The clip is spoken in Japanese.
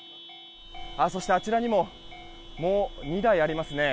あちらにももう２台ありますね。